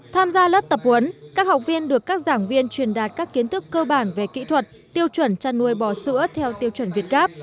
tham gia lớp tập huấn các học viên được các giảng viên truyền đạt các kiến thức cơ bản về kỹ thuật tiêu chuẩn chăn nuôi bò sữa theo tiêu chuẩn việt gáp